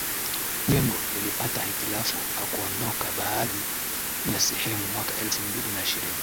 Jengo lilipata hitilafu na kudondoka baadhi ya sehemu mwaka elfu mbili na ishirini